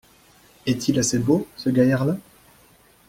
Est-il assez beau, ce gaillard-là ?